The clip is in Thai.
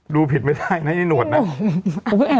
ดูผิดไม่ได้นะเนี้ยนวดนะ